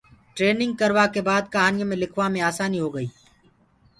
ٽرينگ ڪروآ ڪي باد ڪهانيونٚ مي لِکوآ مي آساني هوگئي۔